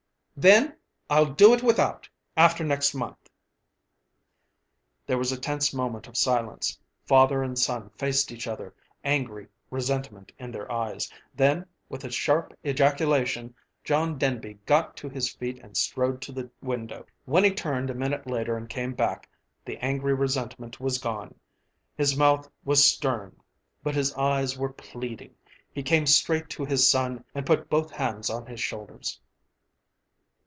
"Then I'll do it without, after next month." There was a tense moment of silence. Father and son faced each other, angry resentment in their eyes. Then, with a sharp ejaculation, John Denby got to his feet and strode to the window. When he turned a minute later and came back, the angry resentment was gone. His mouth was stern, but his eyes were pleading. He came straight to his son and put both hands on his shoulders.